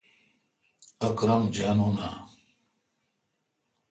اکرم جانون آں؟